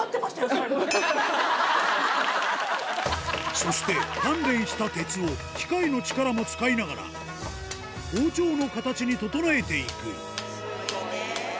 そして鍛錬した鉄を機械の力も使いながら包丁の形に整えていくスゴいね。